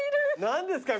何ですか？